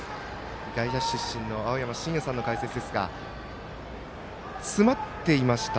外野手出身の青山眞也さんの解説ですがつまっていました。